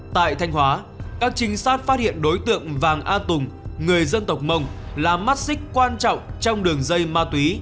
tại thanh hóa các trinh sát phát hiện đối tượng vàng a tùng người dân tộc mông là mắt xích quan trọng trong đường dây ma túy